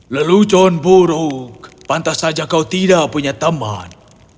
lelucon buruk pantas saja kau tidak punya teman